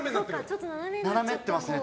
斜めってますね。